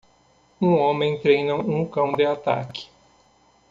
Um homem treina um cão de ataque.